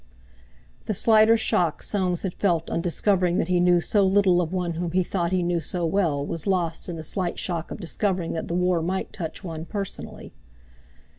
The slighter shock Soames had felt on discovering that he knew so little of one whom he thought he knew so well was lost in the slight shock of discovering that the war might touch one personally.